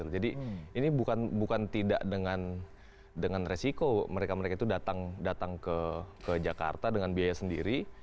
ini bukan tidak dengan resiko mereka mereka itu datang ke jakarta dengan biaya sendiri